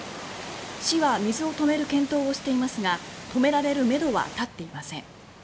市は水を止める検討をしていますが止められるめどは立っていません。